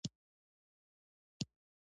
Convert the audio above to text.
کدر مواد رڼا نه پرېږدي.